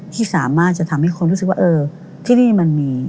ที่สามารถจะทำให้คนรู้สึกว่าเออที่นี่มันมี